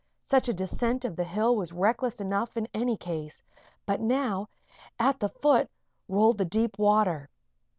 Such a descent of the hill was reckless enough in any case; but now, at the foot, rolled the deep water.